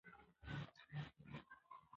اداري شفافیت د شک مخه نیسي